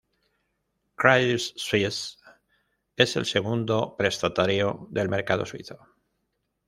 Credit Suisse es el segundo prestatario del mercado suizo.